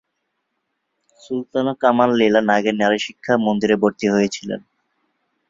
সুলতানা কামাল লীলা নাগের নারীশিক্ষা মন্দিরে ভর্তি হয়েছিলেন।